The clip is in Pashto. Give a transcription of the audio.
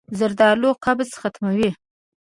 زردالو قبض ختموي.